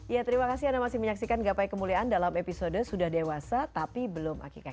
ya terima kasih anda masih menyaksikan gapai kemuliaan dalam episode sudah dewasa tapi belum akikah